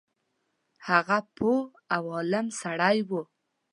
هغه پوه او عالم سړی وو.